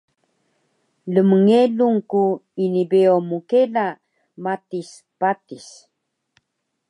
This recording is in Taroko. Lmngelung ku ini beyo mkela matis patis